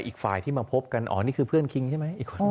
อีกฝ่ายที่มาพบกันนี่คือเพื่อนคิงใช่ไหม